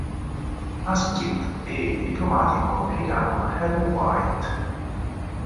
Asquith e il diplomatico americano Henry White.